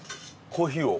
コーヒーを？